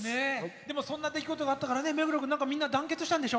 でもそんな出来事があったから目黒君、みんな団結したんでしょ。